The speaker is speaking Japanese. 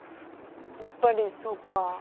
やっぱりそっか。